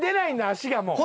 足がもう。